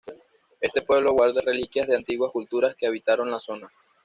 Este pueblo guarda reliquias de antiguas culturas que habitaron la zona.